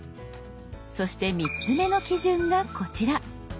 そして３つ目の基準がこちら。